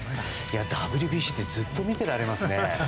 ＷＢＣってずっと見てられますね。